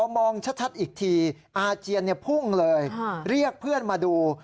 มองชัดอีกทีอาเจียนพุ่งเลยเรียกเพื่อนมาดู